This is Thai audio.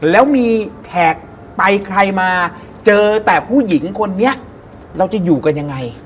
แล้วมีแขกไปใครมาเจอแต่ผู้หญิงคนนี้เราจะอยู่กันยังไง